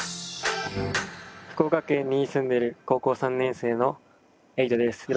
福岡県に住んでいる高校３年生のエイトです。